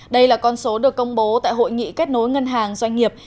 đây là con số được công bố tại hội nghị kết nối ngân hàng doanh nghiệp